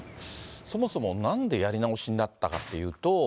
そもそもなんでやり直しになったかというと。